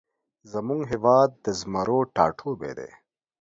زمونږ هیواد د زمرو ټاټوبی دی